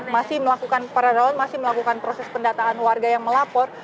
masih melakukan para relawan masih melakukan proses pendataan warga yang melapor